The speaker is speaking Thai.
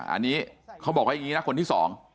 อันนี้เขาบอกว่าอย่างนี้นะคนที่สอง